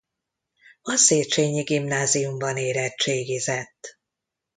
A Széchenyi Gimnáziumban érettségizett.